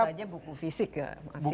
tentu saja buku fisik masih ada disini